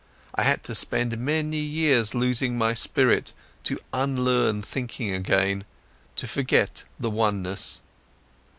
I had to spend many years losing my spirit, to unlearn thinking again, to forget the oneness.